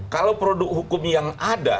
kalau produk hukum yang ada